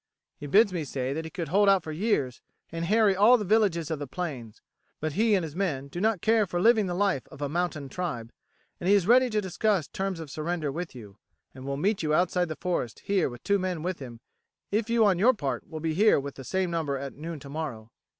He bids me say that he could hold out for years and harry all the villages of the plains; but he and his men do not care for living the life of a mountain tribe, and he is ready to discuss terms of surrender with you, and will meet you outside the forest here with two men with him if you on your part will be here with the same number at noon tomorrow.